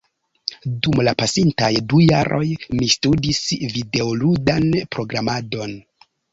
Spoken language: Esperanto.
dum la pasintaj du jaroj mi studis videoludan programadon